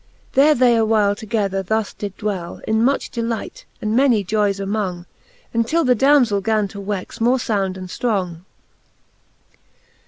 There they a while together thus did dwell In much delight, and many joyes among, Untill the damzell gan to wex more found and ftrong.